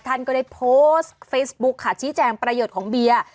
ท่านก็ได้โพสต์เฟซบุ๊คค่ะชี้แจงประโยชน์ของเบียร์